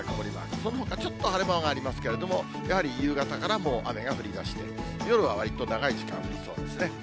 そのほかちょっと晴れ間がありますけれども、やはり夕方からもう、雨が降りだして、夜はわりと長い時間降りそうですね。